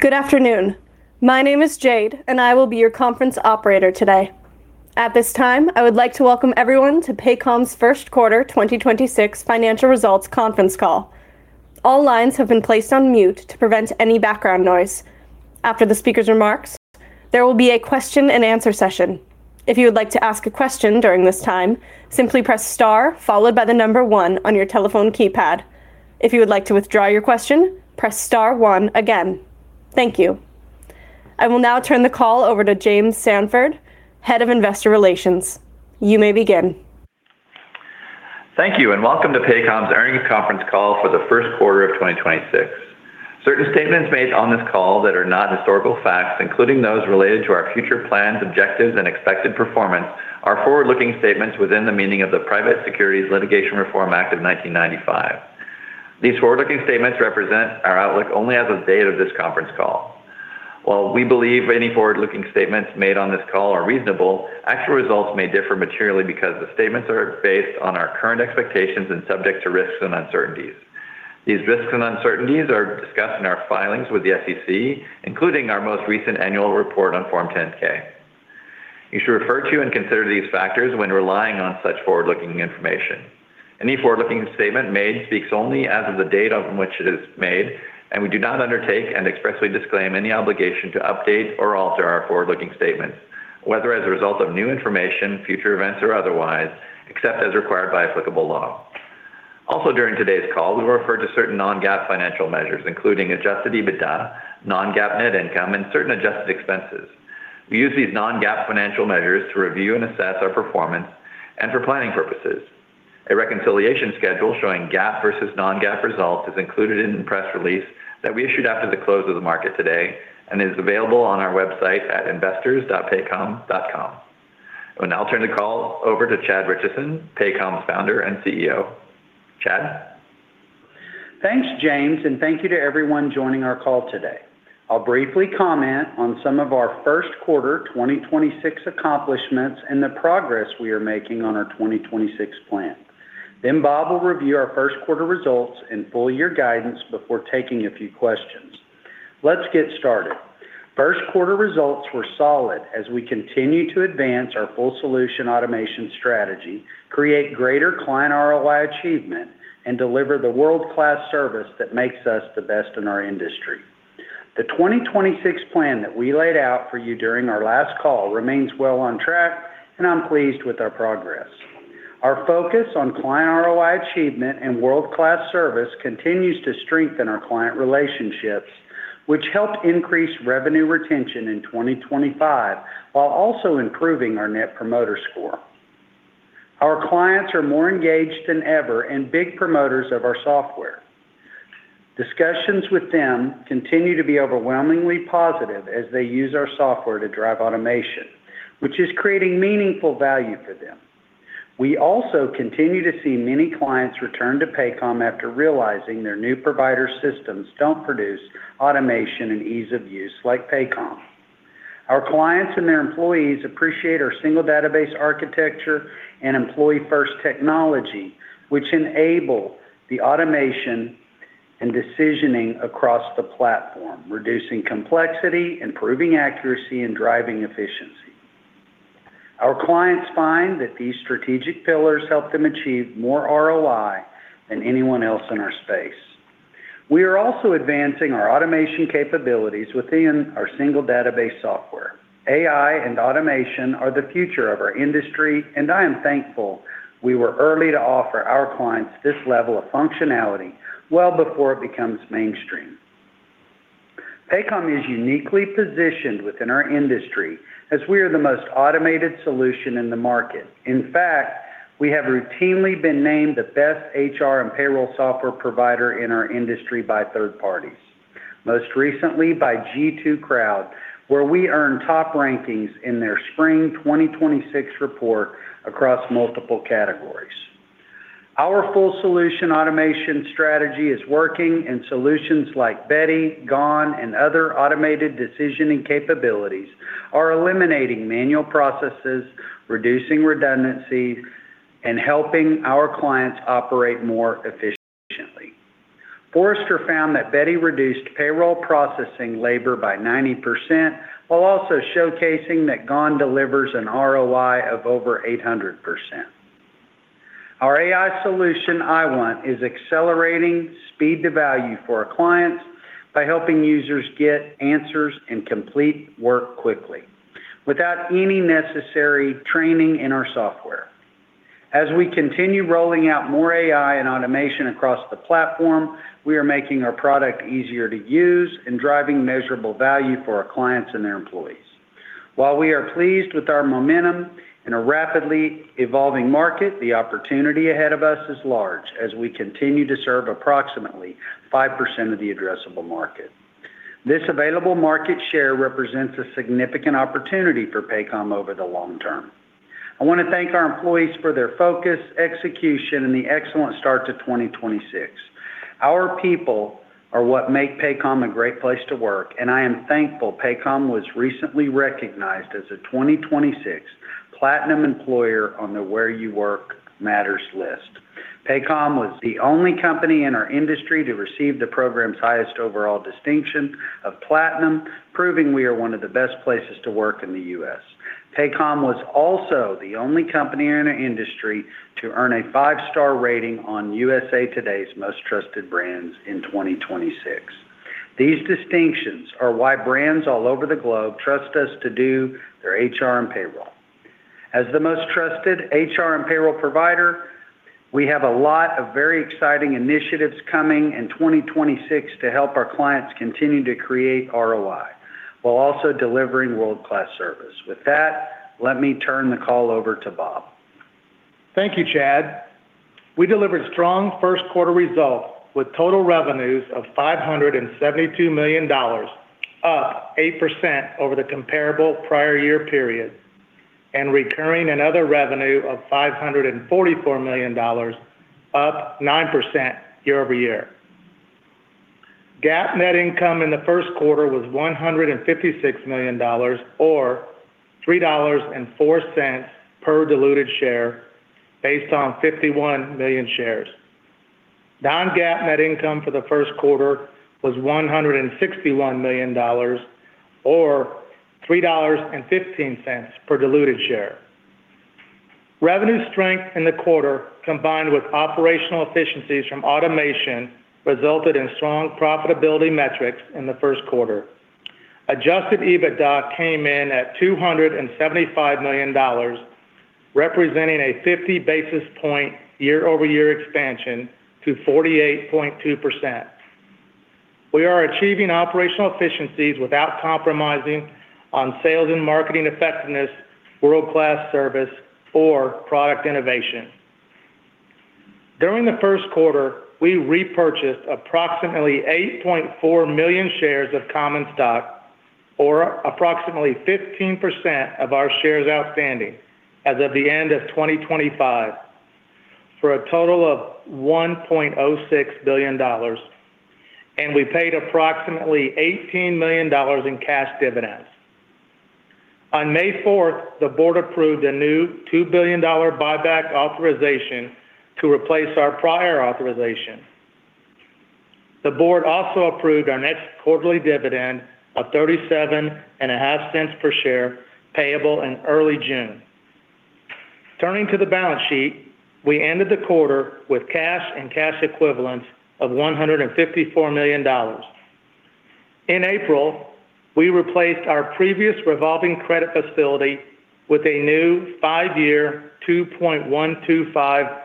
Good afternoon. My name is Jade, and I will be your conference operator today. At this time, I would like to welcome everyone to Paycom's First Quarter 2026 Financial Results Conference Call. All lines have been placed on mute to prevent any background noise. After the speaker's remarks, there will be a question-and-answer session. If you would like to ask a question during this time, simply press star followed by the one on your telephone keypad. If you would like to withdraw your question, press star one again. Thank you. I will now turn the call over to James Samford, Head of Investor Relations. You may begin. Thank you, and welcome to Paycom's earnings conference call for the first quarter of 2026. Certain statements made on this call that are not historical facts, including those related to our future plans, objectives, and expected performance, are forward-looking statements within the meaning of the Private Securities Litigation Reform Act of 1995. These forward-looking statements represent our outlook only as of the date of this conference call. While we believe any forward-looking statements made on this call are reasonable, actual results may differ materially because the statements are based on our current expectations and subject to risks and uncertainties. These risks and uncertainties are discussed in our filings with the SEC, including our most recent annual report on Form 10-K. You should refer to and consider these factors when relying on such forward-looking information. Any forward-looking statement made speaks only as of the date on which it is made, and we do not undertake and expressly disclaim any obligation to update or alter our forward-looking statements, whether as a result of new information, future events, or otherwise, except as required by applicable law. Also during today's call, we refer to certain non-GAAP financial measures, including adjusted EBITDA, non-GAAP net income, and certain adjusted expenses. We use these non-GAAP financial measures to review and assess our performance and for planning purposes. A reconciliation schedule showing GAAP versus non-GAAP results is included in the press release that we issued after the close of the market today and is available on our website at investors.paycom.com. I will now turn the call over to Chad Richison, Paycom's founder and CEO. Chad? Thanks, James. Thank you to everyone joining our call today. I'll briefly comment on some of our first quarter 2026 accomplishments and the progress we are making on our 2026 plan. Bob will review our first quarter results and full year guidance before taking a few questions. Let's get started. First quarter results were solid as we continue to advance our full solution automation strategy, create greater client ROI achievement, and deliver the world-class service that makes us the best in our industry. The 2026 plan that we laid out for you during our last call remains well on track, and I'm pleased with our progress. Our focus on client ROI achievement and world-class service continues to strengthen our client relationships, which helped increase revenue retention in 2025, while also improving our Net Promoter Score. Our clients are more engaged than ever and big promoters of our software. Discussions with them continue to be overwhelmingly positive as they use our software to drive automation, which is creating meaningful value for them. We also continue to see many clients return to Paycom after realizing their new provider systems don't produce automation and ease of use like Paycom. Our clients and their employees appreciate our single database architecture and employee-first technology, which enable the automation and decisioning across the platform, reducing complexity, improving accuracy, and driving efficiency. Our clients find that these strategic pillars help them achieve more ROI than anyone else in our space. We are also advancing our automation capabilities within our single database software. AI and automation are the future of our industry, and I am thankful we were early to offer our clients this level of functionality well before it becomes mainstream. Paycom is uniquely positioned within our industry as we are the most automated solution in the market. In fact, we have routinely been named the best HR and payroll software provider in our industry by third parties, most recently by G2 Crowd, where we earned top rankings in their spring 2026 report across multiple categories. Our full solution automation strategy is working, and solutions like Beti, GONE, and other automated decisioning capabilities are eliminating manual processes, reducing redundancies, and helping our clients operate more efficiently. Forrester found that Beti reduced payroll processing labor by 90%, while also showcasing that GONE delivers an ROI of over 800%. Our AI solution, IWant, is accelerating speed to value for our clients by helping users get answers and complete work quickly without any necessary training in our software. As we continue rolling out more AI and automation across the platform, we are making our product easier to use and driving measurable value for our clients and their employees. While we are pleased with our momentum in a rapidly evolving market, the opportunity ahead of us is large as we continue to serve approximately 5% of the addressable market. This available market share represents a significant opportunity for Paycom over the long term. I want to thank our employees for their focus, execution, and the excellent start to 2026. Our people are what make Paycom a great place to work, and I am thankful Paycom was recently recognized as a 2026 Platinum Employer on the Where You Work Matters list. Paycom was the only company in our industry to receive the program's highest overall distinction of platinum, proving we are one of the best places to work in the U.S. Paycom was also the only company in our industry to earn a five-star rating on USA Today's Most Trusted Brands in 2026. These distinctions are why brands all over the globe trust us to do their HR and payroll. As the most trusted HR and payroll provider, we have a lot of very exciting initiatives coming in 2026 to help our clients continue to create ROI, while also delivering world-class service. With that, let me turn the call over to Bob. Thank you, Chad. We delivered strong first quarter results with total revenues of $572 million, up 8% over the comparable prior year period, and recurring and other revenue of $544 million, up 9% year-over-year. GAAP net income in the first quarter was $156 million or $3.04 per diluted share based on 51 million shares. non-GAAP net income for the first quarter was $161 million or $3.15 per diluted share. Revenue strength in the quarter, combined with operational efficiencies from automation, resulted in strong profitability metrics in the first quarter. adjusted EBITDA came in at $275 million, representing a 50 basis point year-over-year expansion to 48.2%. We are achieving operational efficiencies without compromising on sales and marketing effectiveness, world-class service, or product innovation. During the first quarter, we repurchased approximately 8.4 million shares of common stock, or approximately 15% of our shares outstanding as of the end of 2025, for a total of $1.06 billion, and we paid approximately $18 million in cash dividends. On May fourth, the board approved a new $2 billion buyback authorization to replace our prior authorization. The board also approved our next quarterly dividend of $0.375 per share, payable in early June. Turning to the balance sheet, we ended the quarter with cash and cash equivalents of $154 million. In April, we replaced our previous revolving credit facility with a new five-year, $2.125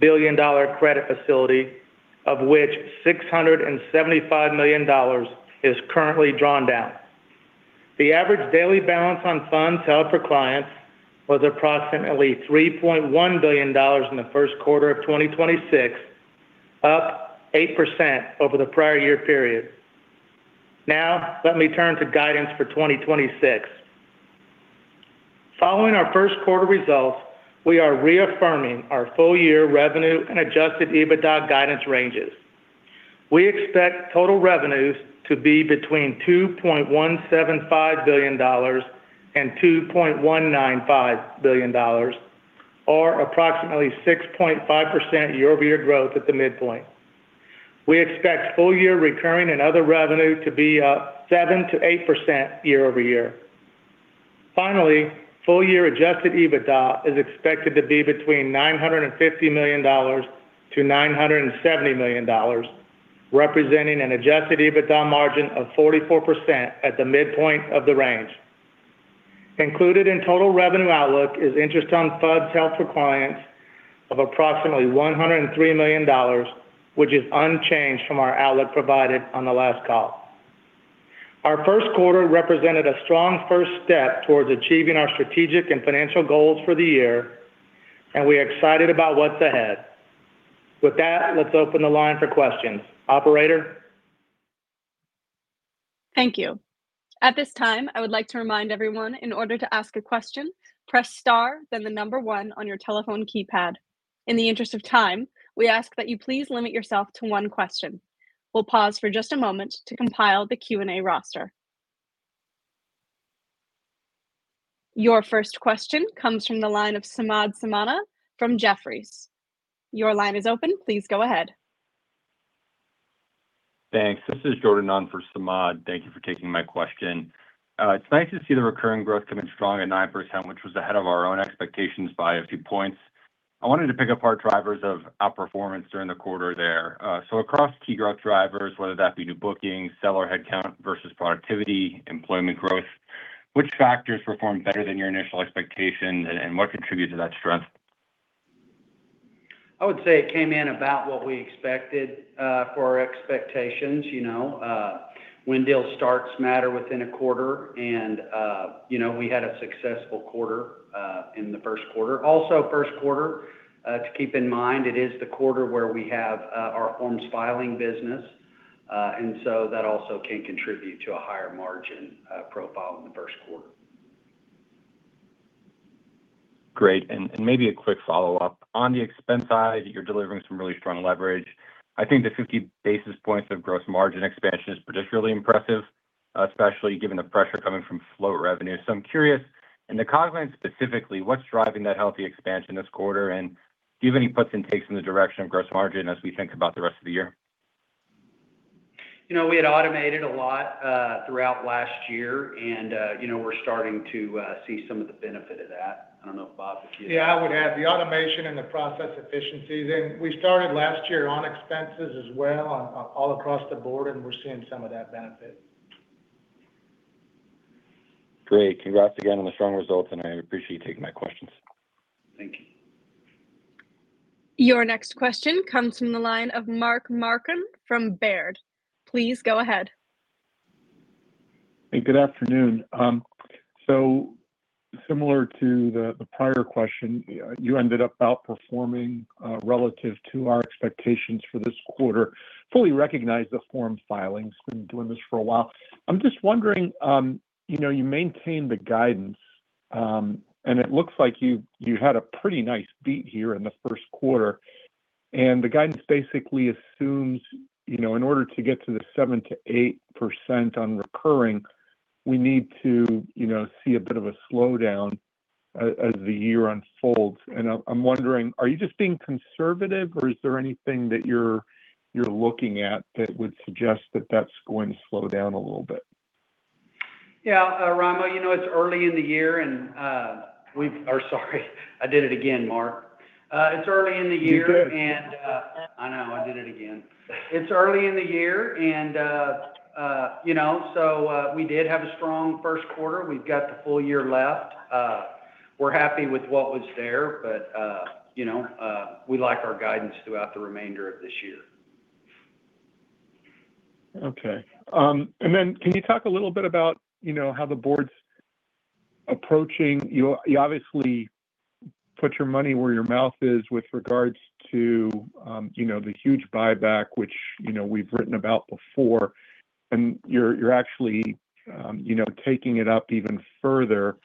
billion credit facility, of which $675 million is currently drawn down. The average daily balance on funds held for clients was approximately $3.1 billion in the first quarter of 2026, up 8% over the prior year period. Now let me turn to guidance for 2026. Following our first quarter results, we are reaffirming our full year revenue and adjusted EBITDA guidance ranges. We expect total revenues to be between $2.175 billion and $2.195 billion, or approximately 6.5% year-over-year growth at the midpoint. We expect full year recurring and other revenue to be up 7%-8% year-over-year. Finally, full year adjusted EBITDA is expected to be between $950 million-$970 million, representing an adjusted EBITDA margin of 44% at the midpoint of the range. Included in total revenue outlook is interest on funds held for clients of approximately $103 million, which is unchanged from our outlook provided on the last call. Our first quarter represented a strong first step towards achieving our strategic and financial goals for the year, and we're excited about what's ahead. With that, let's open the line for questions. Operator? Thank you. At this time, I would like to remind everyone, in order to ask a question, press star then the number one on your telephone keypad. In the interest of time, we ask that you please limit yourself to one question. We'll pause for just a moment to compile the Q&A roster. Your first question comes from the line of Samad Samana from Jefferies. Your line is open. Please go ahead. Thanks. This is Jordan on for Samad. Thank you for taking my question. It's nice to see the recurring growth coming strong at 9%, which was ahead of our own expectations by a few points. I wanted to pick apart drivers of outperformance during the quarter there. Across key growth drivers, whether that be new booking, seller headcount versus productivity, employment growth, which factors performed better than your initial expectations and what contributed to that strength? I would say it came in about what we expected for our expectations. You know, when deal starts matter within a quarter, and you know, we had a successful quarter in the first quarter. Also first quarter, to keep in mind, it is the quarter where we have our forms filing business. That also can contribute to a higher margin profile in the first quarter. Great. Maybe a quick follow-up. On the expense side, you're delivering some really strong leverage. I think the 50 basis points of gross margin expansion is particularly impressive, especially given the pressure coming from slow revenue. I'm curious, in the COGS specifically, what's driving that healthy expansion this quarter? Do you have any puts and takes in the direction of gross margin as we think about the rest of the year? You know, we had automated a lot, throughout last year, and, you know, we're starting to see some of the benefit of that. I don't know if Bob. Yeah. I would add the automation and the process efficiencies, and we started last year on expenses as well on all across the board, and we're seeing some of that benefit. Great. Congrats again on the strong results, and I appreciate you taking my questions. Thank you. Your next question comes from the line of Mark Marcon from Baird. Please go ahead. Hey, good afternoon. Similar to the prior question, you ended up outperforming relative to our expectations for this quarter. Fully recognize the form filings. Been doing this for a while. I'm just wondering, you know, you maintain the guidance, and it looks like you had a pretty nice beat here in the first quarter. The guidance basically assumes, you know, in order to get to the 7%-8% on recurring, we need to, you know, see a bit of a slowdown as the year unfolds. I'm wondering, are you just being conservative, or is there anything that you're looking at that would suggest that that's going to slow down a little bit? Yeah. Raimo, you know, it's early in the year and sorry, I did it again, Mark. You did. I know. I did it again. It's early in the year and, you know, so, we did have a strong first quarter. We've got the full year left. We're happy with what was there, but, you know, we like our guidance throughout the remainder of this year. Okay. Can you talk a little bit about, you know, how the board's approaching, you obviously put your money where your mouth is with regards to, you know, the huge buyback, which, you know, we've written about before, and you're actually, you know, taking it up even further.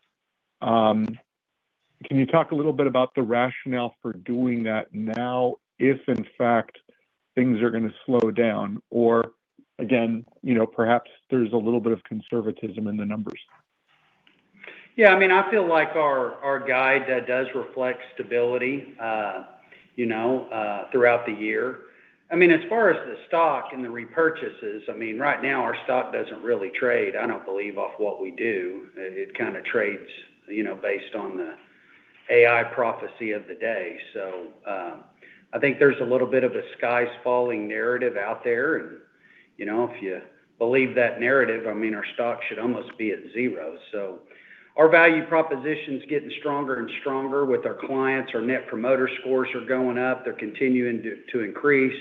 Can you talk a little bit about the rationale for doing that now if in fact things are gonna slow down? Again, you know, perhaps there's a little bit of conservatism in the numbers. I mean, I feel like our guide does reflect stability, you know, throughout the year. I mean, as far as the stock and the repurchases, I mean, right now our stock doesn't really trade, I don't believe, off what we do. It kinda trades, you know, based on the AI prophecy of the day. I think there's a little bit of a sky's falling narrative out there and, you know, if you believe that narrative, I mean, our stock should almost be at zero. Our value proposition's getting stronger and stronger with our clients. Our Net Promoter Scores are going up. They're continuing to increase.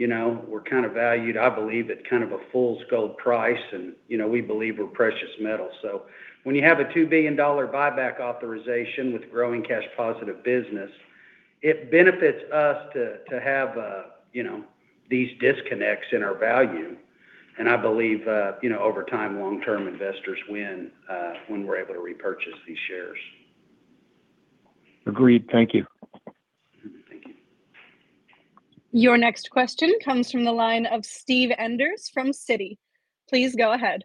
You know, we're kind of valued, I believe, at kind of a fool's gold price and, you know, we believe we're precious metal. When you have a $2 billion buyback authorization with growing cash positive business, it benefits us to have, you know, these disconnects in our value. I believe, you know, over time, long-term investors win when we're able to repurchase these shares. Agreed. Thank you. Your next question comes from the line of Steven Enders from Citi. Please go ahead.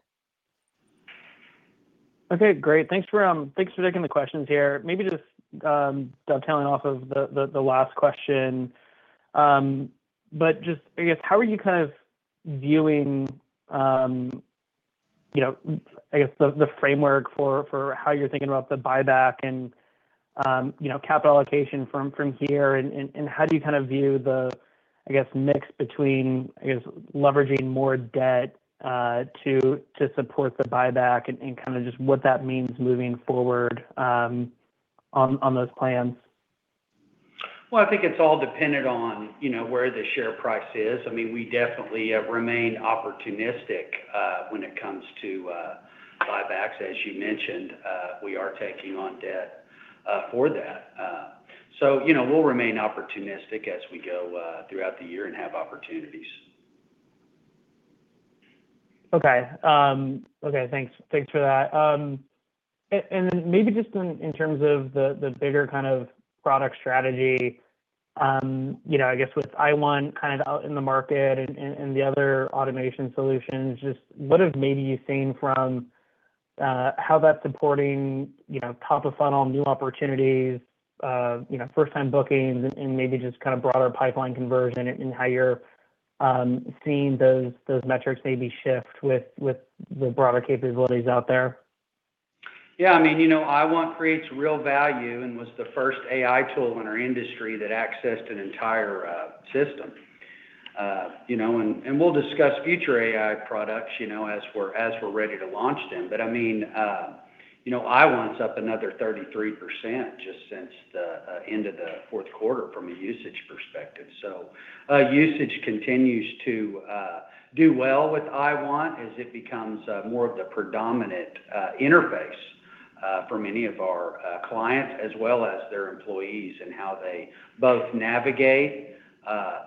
Okay. Great. Thanks for, thanks for taking the questions here. Maybe just, dovetailing off of the, the last question, just, I guess, how are you kind of viewing, you know, I guess the framework for how you're thinking about the buyback and, you know, capital allocation from here and, and how do you kind of view the, I guess, mix between, I guess, leveraging more debt, to support the buyback and kind of just what that means moving forward, on those plans? Well, I think it's all dependent on, you know, where the share price is. I mean, we definitely remain opportunistic when it comes to buybacks. As you mentioned, we are taking on debt for that. You know, we'll remain opportunistic as we go throughout the year and have opportunities. Okay. Okay. Thanks. Thanks for that. Maybe just in terms of the bigger kind of product strategy, you know, I guess with IWant kind of out in the market and the other automation solutions, just what have maybe you seen from how that's supporting, you know, top of funnel, new opportunities, you know, first time bookings and maybe just kind of broader pipeline conversion and how you're seeing those metrics maybe shift with the broader capabilities out there? Yeah. I mean, you know, IWant creates real value and was the first AI tool in our industry that accessed an entire system. You know, and we'll discuss future AI products, you know, as we're ready to launch them. I mean, you know, IWant's up another 33% just since the end of the fourth quarter from a usage perspective. Usage continues to do well with IWant as it becomes more of the predominant interface for many of our clients as well as their employees in how they both navigate,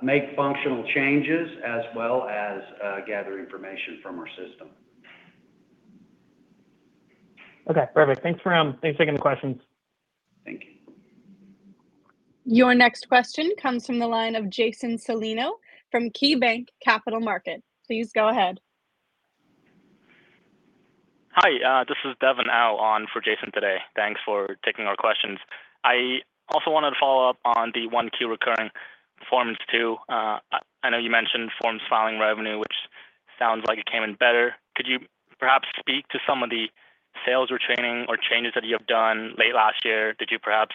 make functional changes, as well as gather information from our system. Okay, perfect. Thanks for taking the questions. Thank you. Your next question comes from the line of Jason Celino from KeyBanc Capital Markets. Please go ahead. Hi, this is Devon on for Jason today. Thanks for taking our questions. I also wanted to follow up on the 1Q recurring performance too. I know you mentioned forms filing revenue, which sounds like it came in better. Could you perhaps speak to some of the sales retraining or changes that you have done late last year? Did you perhaps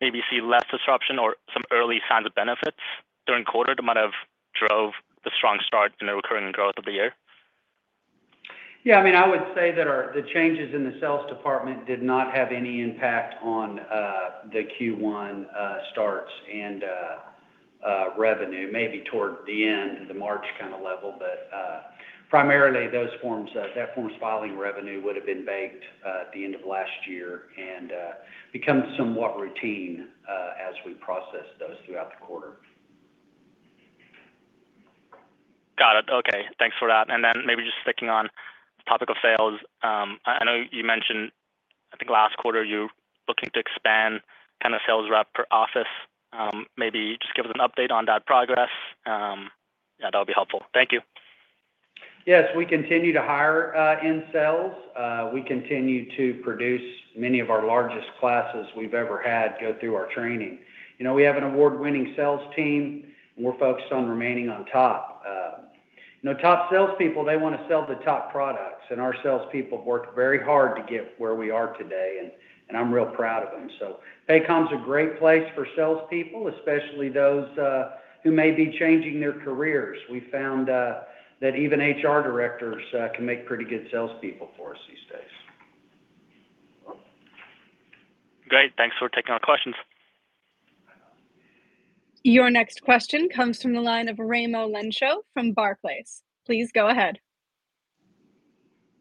maybe see less disruption or some early signs of benefits during quarter that might have drove the strong start in the recurring growth of the year? I mean, I would say that our, the changes in the sales department did not have any impact on the Q1 starts and revenue. Maybe toward the end, the March kind of level. Primarily those forms, that forms filing revenue would've been baked the end of last year and become somewhat routine as we process those throughout the quarter. Got it. Okay. Thanks for that. Maybe just sticking on the topic of sales, I know you mentioned, I think last quarter you're looking to expand kind of sales rep per office. Yeah, that'll be helpful. Thank you. Yes, we continue to hire in sales. We continue to produce many of our largest classes we've ever had go through our training. You know, we have an award-winning sales team, and we're focused on remaining on top. You know, top salespeople, they wanna sell the top products, and our salespeople have worked very hard to get where we are today, and I'm real proud of them. Paycom's a great place for salespeople, especially those who may be changing their careers. We found that even HR directors can make pretty good salespeople for us these days. Great. Thanks for taking our questions. Your next question comes from the line of Raimo Lenschow from Barclays. Please go ahead.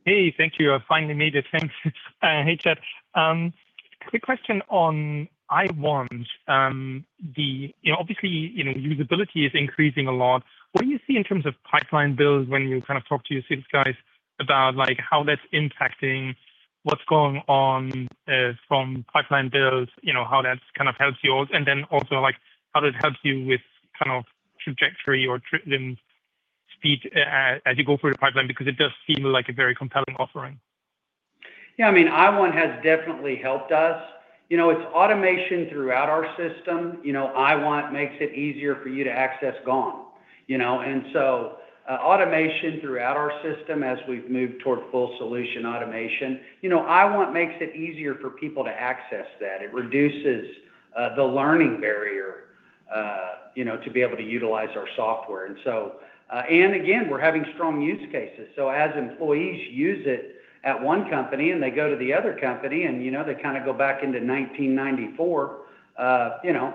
Hey, thank you. I finally made it. Thanks. Hey, Chad. Quick question on IWant. The, you know, obviously, you know, usability is increasing a lot. What do you see in terms of pipeline builds when you kind of talk to your sales guys about, like, how that's impacting what's going on from pipeline builds, you know, how that's kind of helps you all, and then also, like, how that helps you with kind of trajectory or then speed as you go through the pipeline because it does seem like a very compelling offering? Yeah, I mean, IWant has definitely helped us. You know, it's automation throughout our system. You know, IWant makes it easier for you to access GONE, you know? Automation throughout our system as we've moved toward full solution automation, you know, IWant makes it easier for people to access that. It reduces the learning barrier, you know, to be able to utilize our software. And again, we're having strong use cases. As employees use it at one company and they go to the other company and, you know, they kinda go back into 1994, you know,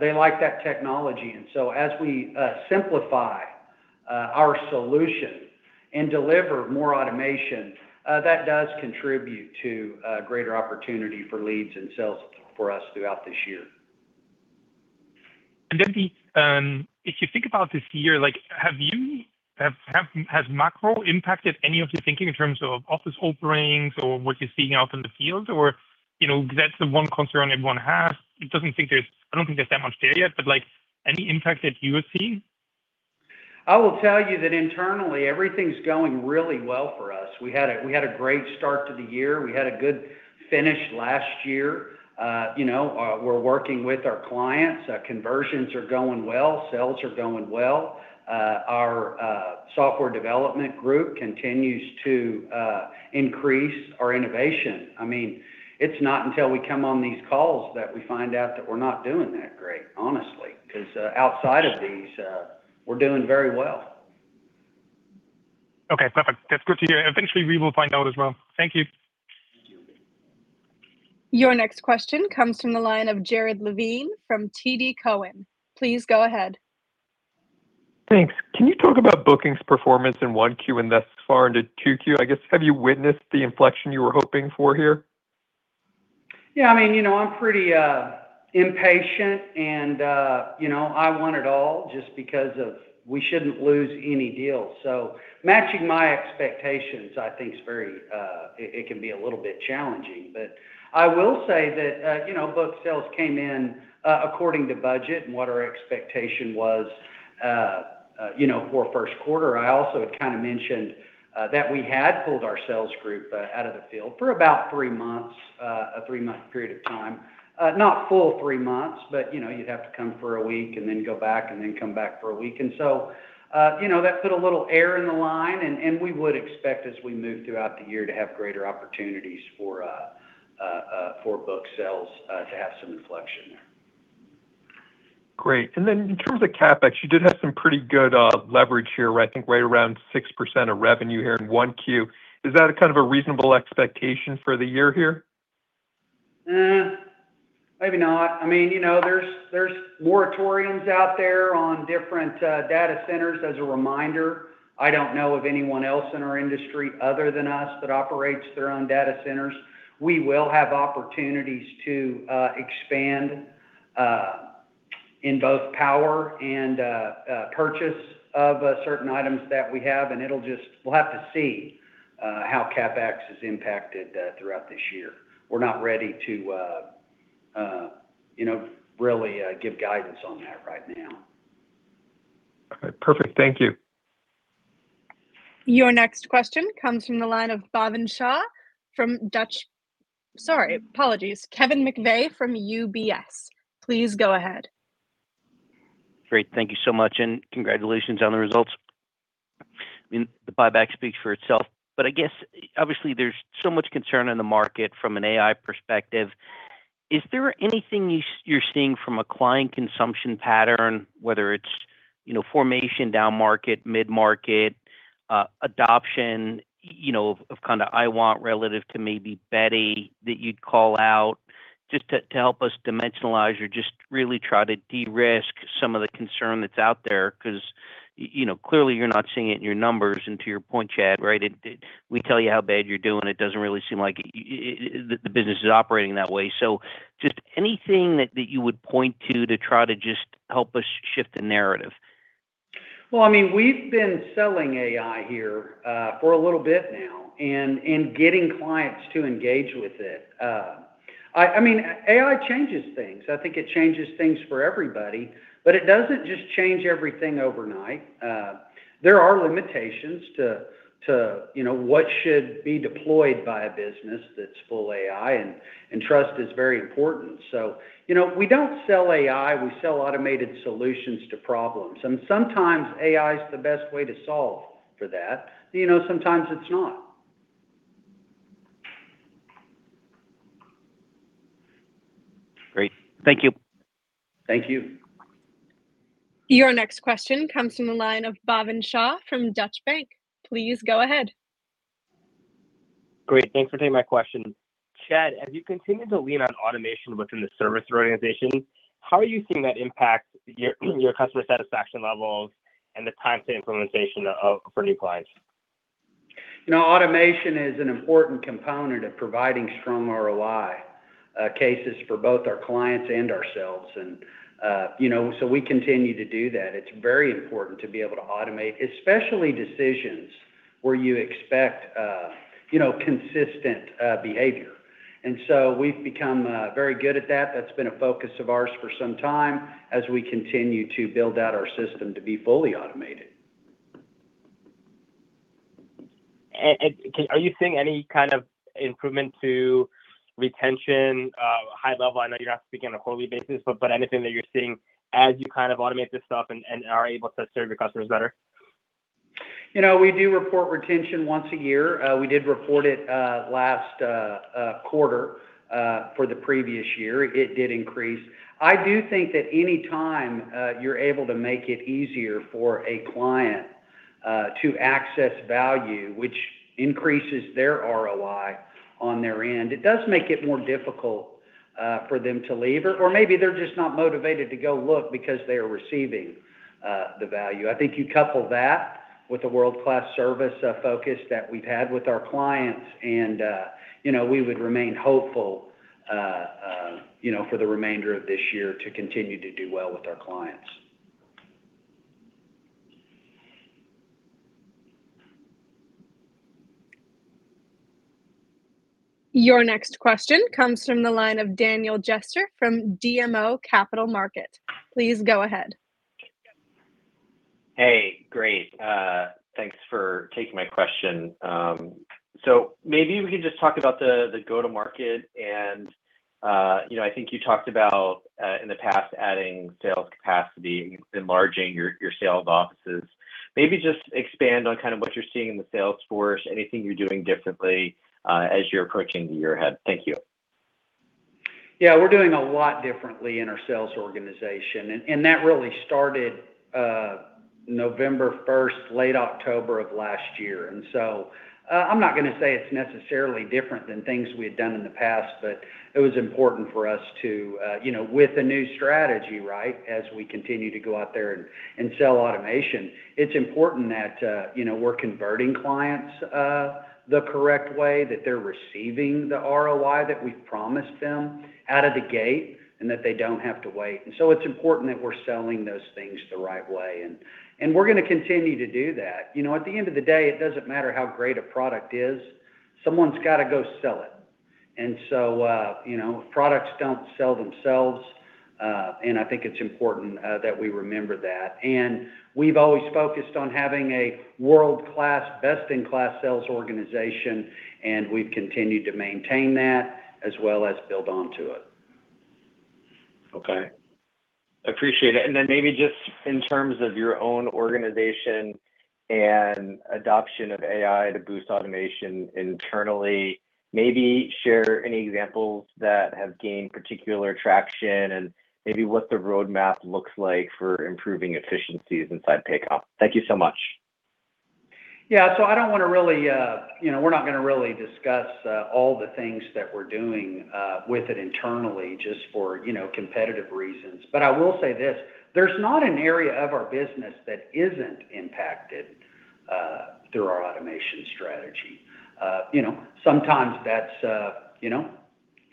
they like that technology. As we simplify our solution and deliver more automation, that does contribute to greater opportunity for leads and sales for us throughout this year. The, if you think about this year, like, has macro impacted any of your thinking in terms of office openings or what you're seeing out in the field? Or, you know, 'cause that's the one concern everyone has. I don't think there's that much data, but, like, any impact that you would see? I will tell you that internally, everything's going really well for us. We had a great start to the year. We had a good finish last year. You know, we're working with our clients. Conversions are going well. Sales are going well. Our software development group continues to increase our innovation. I mean, it's not until we come on these calls that we find out that we're not doing that great, honestly. 'Cause, outside of these, we're doing very well. Okay, perfect. That's good to hear. Eventually, we will find out as well. Thank you. Thank you. Your next question comes from the line of Jared Levine from TD Cowen. Please go ahead. Thanks. Can you talk about bookings performance in 1Q and thus far into 2Q? I guess, have you witnessed the inflection you were hoping for here? Yeah, I mean, you know, I'm pretty impatient, and, you know, I want it all just because of we shouldn't lose any deals. Matching my expectations, I think, is very, it can be a little bit challenging. I will say that, you know, book sales came in, according to budget and what our expectation was, you know, for first quarter. I also had kinda mentioned that we had pulled our sales group out of the field for about three months, a three-month period of time. Not full three months, but, you know, you'd have to come for a week and then go back and then come back for a week. You know, that put a little air in the line, and we would expect as we move throughout the year to have greater opportunities for book sales to have some inflection there. Great. In terms of CapEx, you did have some pretty good leverage here, I think right around 6% of revenue here in 1Q. Is that a kind of a reasonable expectation for the year here? Maybe not. I mean, you know, there's moratoriums out there on different data centers. As a reminder, I don't know of anyone else in our industry other than us that operates their own data centers. We will have opportunities to expand in both power and purchase of certain items that we have, and we'll have to see how CapEx is impacted throughout this year. We're not ready to, you know, really give guidance on that right now. All right. Perfect. Thank you. Your next question comes from the line of Bhavin Shah from Deutsche Bank. Sorry, apologies. Kevin McVeigh from UBS. Please go ahead. Great. Thank you so much, and congratulations on the results. I mean, the buyback speaks for itself. I guess, obviously there's so much concern in the market from an AI perspective. Is there anything you're seeing from a client consumption pattern, whether it's, you know, formation down-market, mid-market, adoption, you know, of, kinda IWant relative to maybe Beti, that you'd call out just to help us dimensionalize or just really try to de-risk some of the concern that's out there? Cause you know, clearly you're not seeing it in your numbers, and to your point, Chad, right? It, we tell you how bad you're doing, it doesn't really seem like the business is operating that way. Just anything that you would point to try to just help us shift the narrative? I mean, we've been selling AI here for a little bit now and getting clients to engage with it. I mean, AI changes things. I think it changes things for everybody, but it doesn't just change everything overnight. There are limitations to, you know, what should be deployed by a business that's full AI, and trust is very important. You know, we don't sell AI, we sell automated solutions to problems, and sometimes AI's the best way to solve for that, and, you know, sometimes it's not. Great. Thank you. Thank you. Your next question comes from the line of Bhavin Shah from Deutsche Bank. Please go ahead. Great. Thanks for taking my question. Chad, as you continue to lean on automation within the service organization, how are you seeing that impact your customer satisfaction levels and the time to implementation for new clients? You know, automation is an important component of providing strong ROI, cases for both our clients and ourselves. You know, we continue to do that. It's very important to be able to automate, especially decisions where you expect, you know, consistent behavior. We've become very good at that. That's been a focus of ours for some time as we continue to build out our system to be fully automated. Are you seeing any kind of improvement to retention, high level? I know you don't have to speak on a quarterly basis, but anything that you're seeing as you kind of automate this stuff and are able to serve your customers better? You know, we do report retention one time a year. We did report it last quarter for the previous year. It did increase. I do think that any time you're able to make it easier for a client to access value, which increases their ROI on their end, it does make it more difficult for them to leave. Or maybe they're just not motivated to go look because they are receiving the value. I think you couple that with the world-class service focus that we've had with our clients and, you know, we would remain hopeful, you know, for the remainder of this year to continue to do well with our clients. Your next question comes from the line of Daniel Jester from BMO Capital Markets. Please go ahead. Hey. Great. Thanks for taking my question. Maybe we can just talk about the go-to-market and, you know, I think you talked about in the past adding sales capacity, enlarging your sales offices. Maybe just expand on kind of what you're seeing in the sales force, anything you're doing differently as you're approaching the year ahead. Thank you. Yeah. We're doing a lot differently in our sales organization. That really started November 1st, late October of last year. I'm not gonna say it's necessarily different than things we had done in the past, but it was important for us to, you know, with the new strategy, right? As we continue to go out there and sell automation, it's important that, you know, we're converting clients the correct way, that they're receiving the ROI that we've promised them out of the gate, and that they don't have to wait. It's important that we're selling those things the right way. We're gonna continue to do that. You know, at the end of the day, it doesn't matter how great a product is, someone's gotta go sell it. You know, products don't sell themselves, and I think it's important that we remember that. We've always focused on having a world-class, best-in-class sales organization, and we've continued to maintain that as well as build onto it. Okay. Appreciate it. Maybe just in terms of your own organization and adoption of AI to boost automation internally, maybe share any examples that have gained particular traction, and maybe what the roadmap looks like for improving efficiencies inside Paycom. Thank you so much. Yeah. I don't wanna really, you know, we're not gonna really discuss, all the things that we're doing, with it internally, just for, you know, competitive reasons. I will say this, there's not an area of our business that isn't impacted through our automation strategy. You know, sometimes that's, you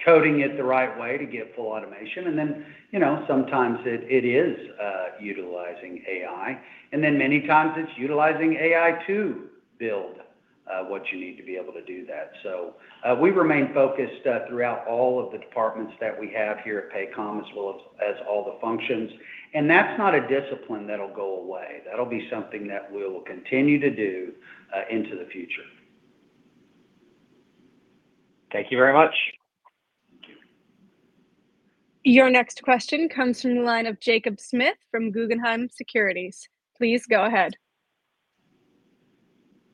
know, coding it the right way to get full automation and then, you know, sometimes it is, utilizing AI. Many times it's utilizing AI to build, what you need to be able to do that. We remain focused, throughout all of the departments that we have here at Paycom as well as all the functions. That's not a discipline that'll go away. That'll be something that we'll continue to do, into the future. Thank you very much. Thank you. Your next question comes from the line of Jacob Smith from Guggenheim Securities. Please go ahead.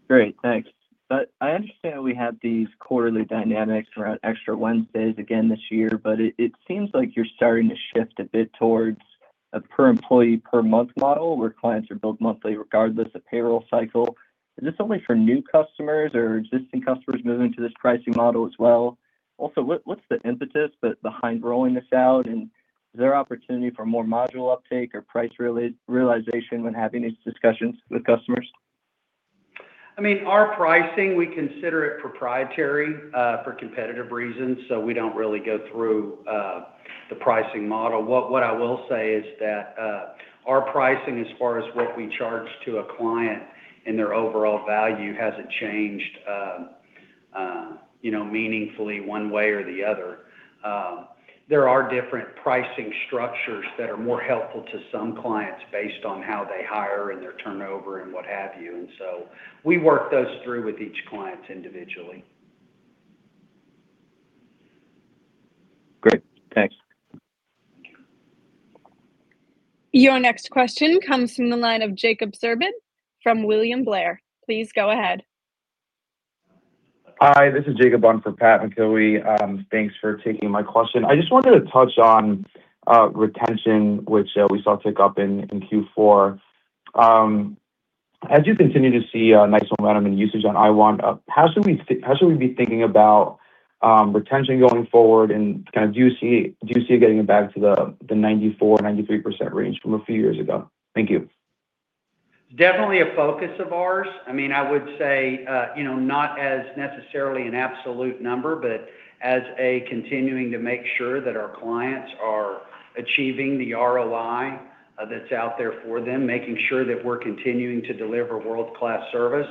Great. Thanks. I understand we have these quarterly dynamics around extra Wednesdays again this year, it seems like you're starting to shift a bit towards a per employee per month model where clients are billed monthly regardless of payroll cycle. Is this only for new customers or are existing customers moving to this pricing model as well? What's the impetus behind rolling this out? Is there opportunity for more module uptake or price realization when having these discussions with customers? I mean, our pricing, we consider it proprietary for competitive reasons, we don't really go through the pricing model. What I will say is that our pricing as far as what we charge to a client and their overall value hasn't changed, you know, meaningfully one way or the other. There are different pricing structures that are more helpful to some clients based on how they hire and their turnover and what have you. We work those through with each client individually. Great. Thanks. Thank you. Your next question comes from the line of Jacob Roberge from William Blair. Please go ahead. Hi, this is Jacob, on for Patrick McIlwee. Thanks for taking my question. I just wanted to touch on retention, which we saw tick up in Q4. As you continue to see a nice momentum in usage on IWant, how should we be thinking about retention going forward? Kind of do you see it getting back to the 94%, 93% range from a few years ago? Thank you. It's definitely a focus of ours. I mean, I would say, you know, not as necessarily an absolute number, but as a continuing to make sure that our clients are achieving the ROI that's out there for them, making sure that we're continuing to deliver world-class service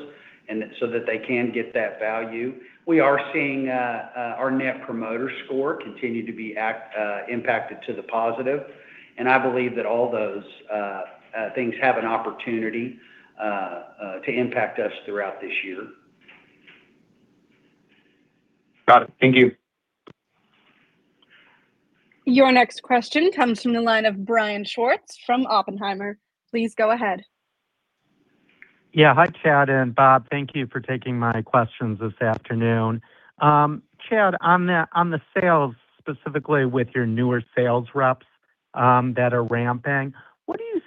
and so that they can get that value. We are seeing our Net Promoter Score continue to be impacted to the positive, and I believe that all those things have an opportunity to impact us throughout this year. Got it. Thank you. Your next question comes from the line of Brian Schwartz from Oppenheimer. Please go ahead. Hi, Chad and Bob. Thank you for taking my questions this afternoon. Chad, on the, on the sales, specifically with your newer sales reps, that are ramping,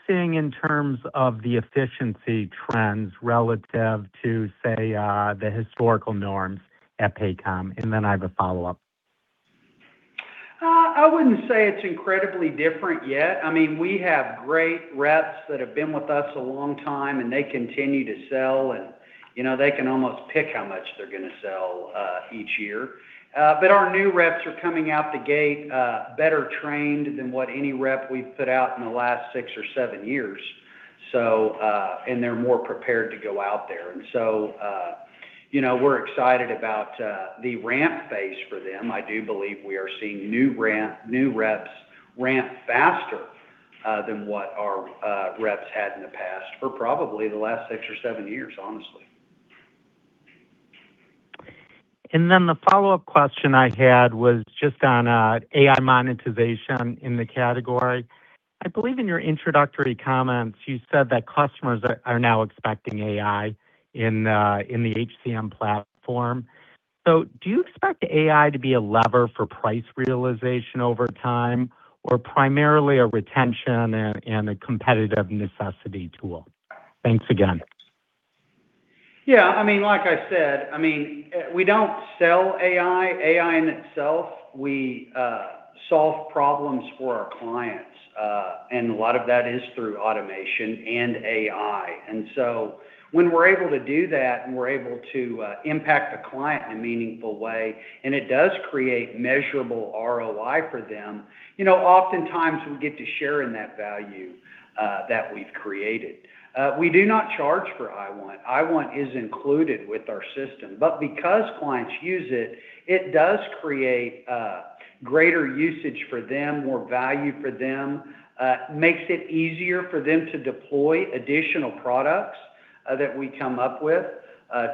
what are you seeing in terms of the efficiency trends relative to, say, the historical norms at Paycom? Then I have a follow-up. I wouldn't say it's incredibly different yet. I mean, we have great reps that have been with us a long time, and they continue to sell and, you know, they can almost pick how much they're gonna sell each year. Our new reps are coming out the gate better trained than what any rep we've put out in the last six or seven years. They're more prepared to go out there. You know, we're excited about the ramp phase for them. I do believe we are seeing new ramp, new reps ramp faster than what our reps had in the past for probably the last six or seven years, honestly. The follow-up question I had was just on AI monetization in the category. I believe in your introductory comments you said that customers are now expecting AI in the HCM platform. Do you expect AI to be a lever for price realization over time or primarily a retention and a competitive necessity tool? Thanks again. I mean, like I said, we don't sell AI in itself. We solve problems for our clients. A lot of that is through automation and AI. When we're able to do that, and we're able to impact the client in a meaningful way, and it does create measurable ROI for them, you know, oftentimes we get to share in that value that we've created. We do not charge for IWant. IWant is included with our system. Because clients use it does create greater usage for them, more value for them. Makes it easier for them to deploy additional products that we come up with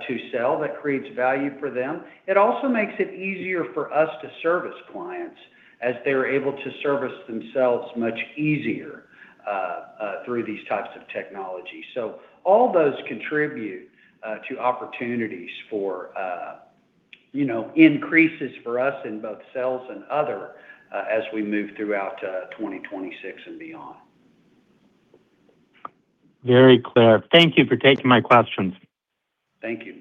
to sell that creates value for them. It also makes it easier for us to service clients as they're able to service themselves much easier, through these types of technologies. All those contribute to opportunities for, you know, increases for us in both sales and other, as we move throughout, 2026 and beyond. Very clear. Thank you for taking my questions. Thank you.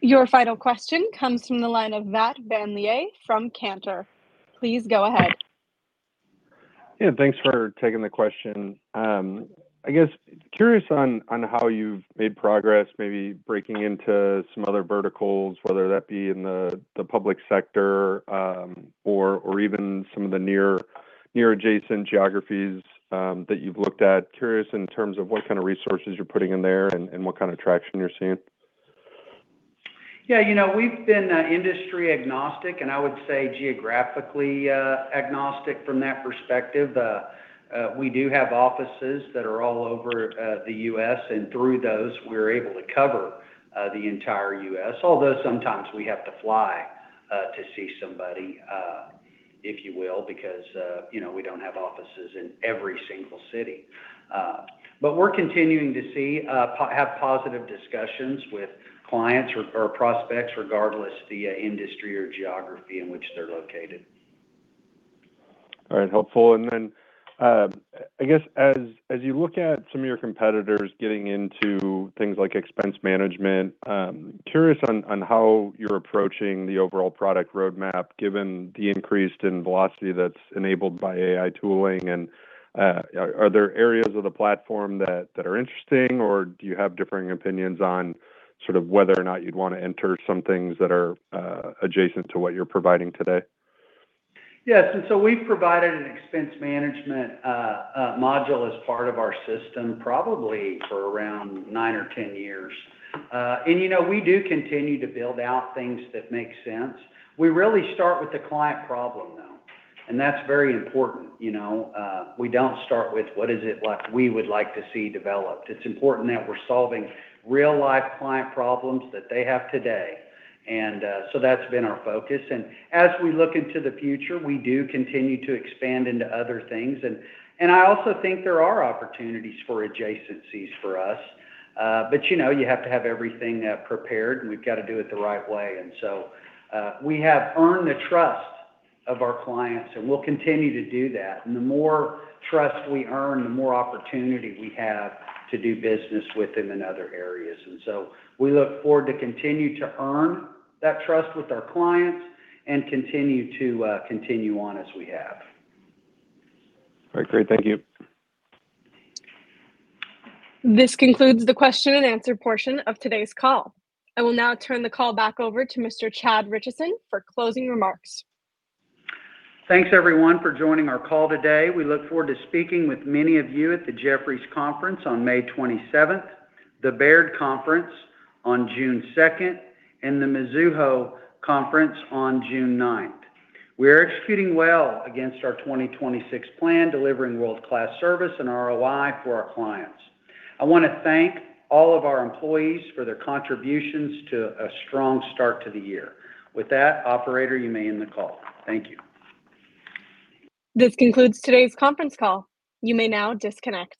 Your final question comes from the line of Matt Beaulieu from Cantor. Please go ahead. Yeah, thanks for taking the question. I guess curious on how you've made progress, maybe breaking into some other verticals, whether that be in the public sector, or even some of the near adjacent geographies, that you've looked at. Curious in terms of what kind of resources you're putting in there and what kind of traction you're seeing. Yeah, you know, we've been industry-agnostic, and I would say geographically agnostic from that perspective. We do have offices that are all over the U.S., and through those we're able to cover the entire U.S. Although sometimes we have to fly to see somebody, if you will, because, you know, we don't have offices in every single city. We're continuing to see have positive discussions with clients or prospects regardless the industry or geography in which they're located. All right. Helpful. Then, I guess as you look at some of your competitors getting into things like expense management, curious on how you're approaching the overall product roadmap given the increase in velocity that's enabled by AI tooling. Are there areas of the platform that are interesting or do you have differing opinions on sort of whether or not you'd want to enter some things that are adjacent to what you're providing today? Yes, we've provided an expense management module as part of our system probably for around nine or 10 years. You know, we do continue to build out things that make sense. We really start with the client problem now, and that's very important, you know? We don't start with what is it like we would like to see developed. It's important that we're solving real-life client problems that they have today. That's been our focus. As we look into the future, we do continue to expand into other things. I also think there are opportunities for adjacencies for us. You know, you have to have everything prepared, and we've got to do it the right way. We have earned the trust of our clients and we'll continue to do that. The more trust we earn, the more opportunity we have to do business with them in other areas. We look forward to continue to continue on as we have. All right. Great. Thank you. This concludes the question and answer portion of today's call. I will now turn the call back over to Mr. Chad Richison for closing remarks. Thanks, everyone, for joining our call today. We look forward to speaking with many of you at the Jefferies Conference on May 27th, the Baird Conference on June 2nd, and the Mizuho Conference on June 9th. We are executing well against our 2026 plan, delivering world-class service and ROI for our clients. I wanna thank all of our employees for their contributions to a strong start to the year. With that, operator, you may end the call. Thank you. This concludes today's conference call. You may now disconnect.